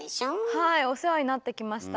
はいお世話になってきました。